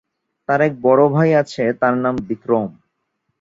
তার এক বড়ো ভাই আছে, নাম তার বিক্রম।